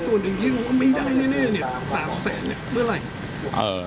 ส่วน๓แสนนี้เมื่อไร